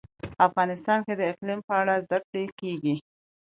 افغانستان کې د اقلیم په اړه زده کړه کېږي.